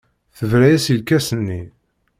Tebra-as i lkas-nni.